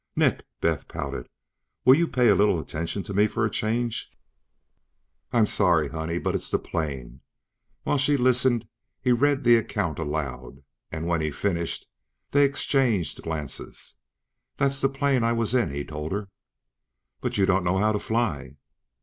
"Nick," Beth pouted. "Will you pay a little attention to me for a change?" "I'm sorry, honey, but it's the plane." While she listened he read the account aloud and, when he'd finished, they exchanged glances. "That's the plane I was in," he told her. "But you don't know how to fly."